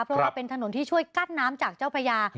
เพราะว่าเป็นถนนที่ช่วยกั้นน้ำจากเจ้าพญา